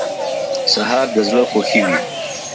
سهار د زړه خوښوي.